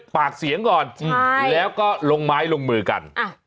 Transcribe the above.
ปากเสียงก่อนแล้วก็ลงไม้ลงมือกัน